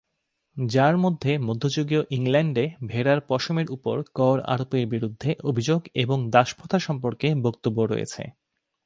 যার মধ্যে মধ্যযুগীয় ইংল্যান্ডে ভেড়ার পশমের উপর কর-আরোপের বিরুদ্ধে অভিযোগ এবং দাসপ্রথা সম্পর্কে বক্তব্য রয়েছে।